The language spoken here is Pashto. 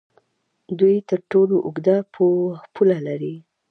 دوی تر ټولو اوږده پوله لري.